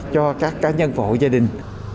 cho các cá nhân hộ gia đình